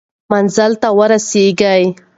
منزل ته ورسېږئ.